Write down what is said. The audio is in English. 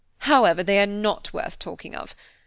However, they are not worth talking of.